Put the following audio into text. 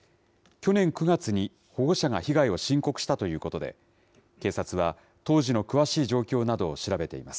去年９月に、保護者が被害を申告したということで、警察は、当時の詳しい状況などを調べています。